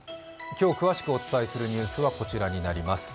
今日詳しくお伝えするニュースはこちらになります。